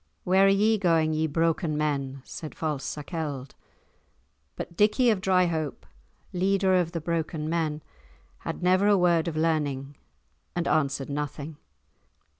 "Where are ye going, ye broken men?" said false Sakelde. But Dickie of Dryhope, leader of the broken men, had never a word of learning, and answered nothing.